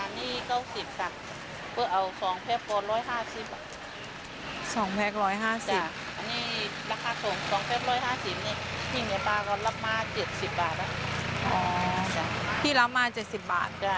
อันนี้เก่งจาน๙๐บาท